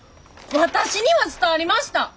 私には伝わりました！